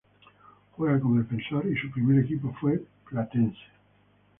Juega como defensor y su primer equipo fue Platense.